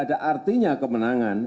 ada artinya kemenangan